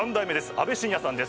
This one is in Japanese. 阿部晋也さんです。